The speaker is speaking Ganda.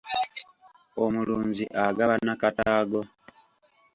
Omulunzi agabana kataago.